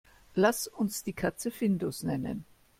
Lass uns die Katze Findus nennen.